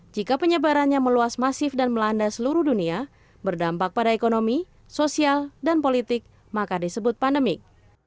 jika penyebarannya meluas masif dan melanda seluruh dunia berdampak pada ekonomi sosial dan politik maka disebut pandemik